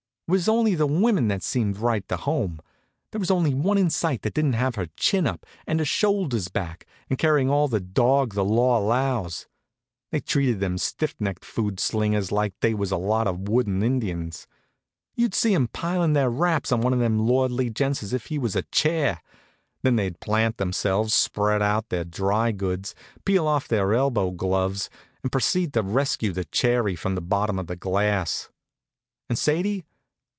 It was only the women that seemed right to home. There wasn't one in sight that didn't have her chin up and her shoulders back, and carrying all the dog the law allows. They treated them stiff necked food slingers like they was a lot of wooden Indians. You'd see 'em pilin' their wraps on one of them lordly gents just as if he was a chair. Then they'd plant themselves, spread out their dry goods, peel off their elbow gloves, and proceed to rescue the cherry from the bottom of the glass. And Sadie?